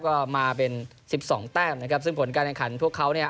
ก็มาเป็นสิบสองแต้มนะครับซึ่งผลการแข่งขันพวกเขาเนี่ย